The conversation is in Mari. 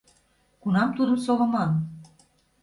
Кунам тудым солыман?